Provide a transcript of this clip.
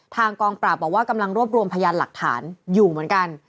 กองปราบบอกว่ากำลังรวบรวมพยานหลักฐานอยู่เหมือนกัน